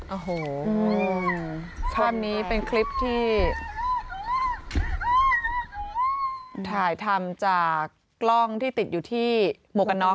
โอ้โหภาพนี้เป็นคลิปที่ถ่ายทำจากกล้องที่ติดอยู่ที่หมวกกันน็อก